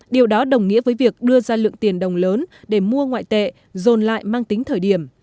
điều đó đồng nghĩa với việc đưa ra lượng tiền đồng lớn để mua ngoại tệ dồn lại mang tính thời điểm